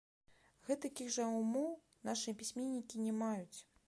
Гэтакіх жа ўмоў нашы пісьменнікі не маюць.